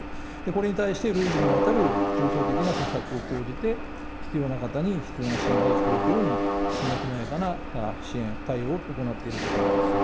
これに対して累次にわたる重層的な施策を講じて、必要な方に必要な支援が行き届くようにきめこまやかな支援、対応を行っているところです。